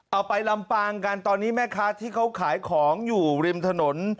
เอาไปลำปางกันตอนนี้แม่ค้าที่เขาขายของอยู่ริมถนน